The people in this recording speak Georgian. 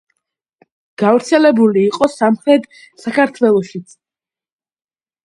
გავრცელებული იყო სამხრეთ საქართველოშიც.